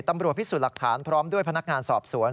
ตำรวจพิสูจน์หลักฐานพร้อมด้วยพนักงานสอบสวน